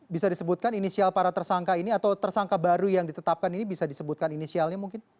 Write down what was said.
bisa disebutkan inisial para tersangka ini atau tersangka baru yang ditetapkan ini bisa disebutkan inisialnya mungkin